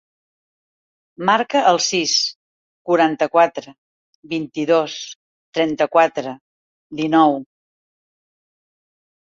Marca el sis, quaranta-quatre, vint-i-dos, trenta-quatre, dinou.